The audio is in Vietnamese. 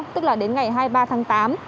tức là đến ngày hai mươi ba tháng tám